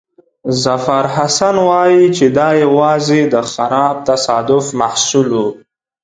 ظفرحسن وایي چې دا یوازې د خراب تصادف محصول وو.